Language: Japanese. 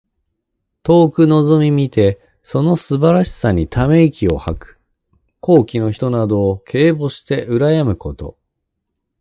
遠くのぞみ見てその素晴らしさにため息を吐く。高貴の人などを敬慕してうらやむこと。